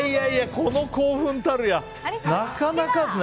この興奮たるやなかなかですね。